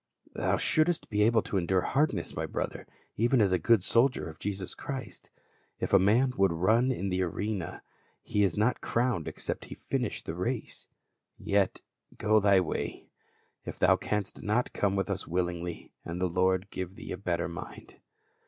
Thou shouldst be able to endure hardness, my brother, even as a good soldier of Jesus Christ. If a man would run in the arena he is not crowned except he finish the race. Yet go thy way — if thou canst not come with us willingly, and the Lord give thee a better mind."